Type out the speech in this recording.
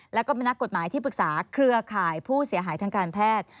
แล้วก็มีนักกฎหมายที่ปรึกษาเครือข่ายผู้เสียหายทางการแพทย์